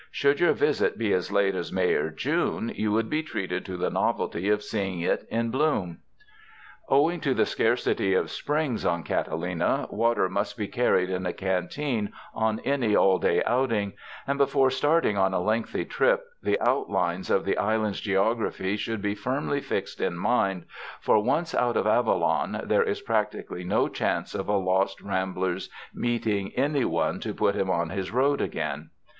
Should your visit be as late as May or June, you would be treated to the novelty of seeing it in bloom. Owing to the scarcity of springs on Catalina, water must be carried in a canteen, on any all day outing; and before starting on a lengthy trip, the outlines of the island's geography should be firmly fixed in mind, for once out of Avalon, there is prac tically no chance of a lost ram])ler's meeting any one to put him on his road again.